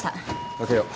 かけよう。